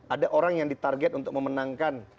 ada orang yang di target untuk memenangkan